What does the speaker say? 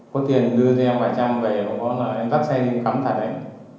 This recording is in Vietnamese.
có tiền đưa cho em vài trăm về bảo là em dắt xe đi cắm thật ấy